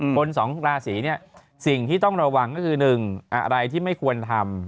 สองราศีเนี่ยสิ่งที่ต้องระวังก็คือ๑อะไรที่ไม่ควรทำ